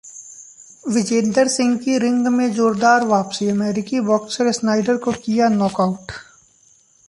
विजेंदर सिंह की रिंग में जोरदार वापसी, अमेरिकी बॉक्सर स्नाइडर को किया नॉक आउट